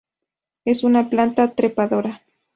Es una planta trepadora.